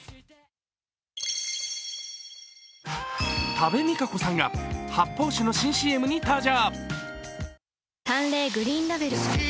多部未華子さんが発泡酒の新ＣＭに登場。